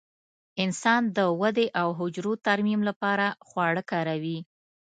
انسان د ودې او حجرو ترمیم لپاره خواړه کاروي.